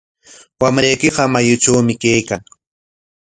Wamraykiqa mayutrawmi kaykan.